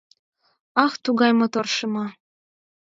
Ах, тугай мотор, шыма